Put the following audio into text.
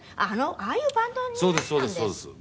ああいうバンドになったんですか。